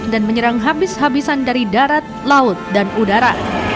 dan menyerang habis habisan dari darat laut dan udara